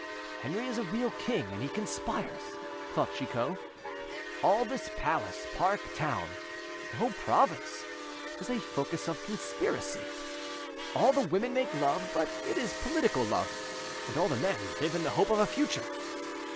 "Henri is a real king, and he conspires," thought Chicot. "All this palace, park, town—the whole province—is a focus of conspiracy. All the women make love, but it is political love; and all the men live in the hope of a future.